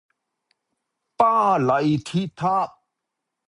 巴黎鐵塔